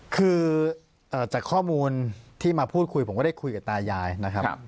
คือจากข้อมูลที่มาพูดคุยผมก็ได้คุยกับตายายนะครับ